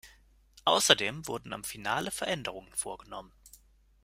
Außerdem wurden am Finale Veränderungen vorgenommen.